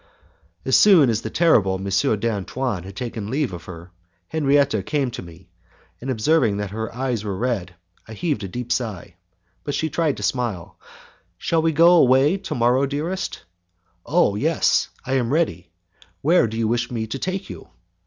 As soon as the terrible M. d'Antoine had taken leave of her, Henriette came to me, and observing that her eyes were red I heaved a deep sigh, but she tried to smile. "Shall we go away to morrow, dearest?" "Oh! yes, I am ready. Where do you wish me to take you?"